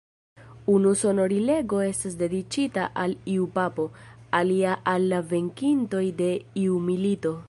Unu sonorilego estas dediĉita al iu Papo, alia al la venkintoj de iu milito.